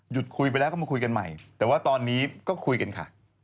คุยไปแล้วก็มาคุยกันใหม่แต่ว่าตอนนี้ก็คุยกันค่ะ